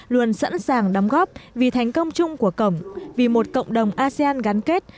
luôn sẵn sàng đóng góp vì thành công chung của cổng vì một cộng đồng asean gắn kết